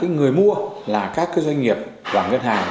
người mua là các doanh nghiệp vàng gân hàng